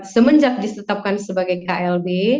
semenjak disetapkan sebagai klb